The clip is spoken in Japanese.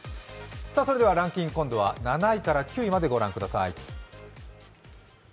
それではランキング、今度は７位から９位まで御覧ください。